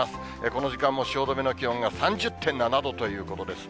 この時間も汐留の気温が３０．７度ということです。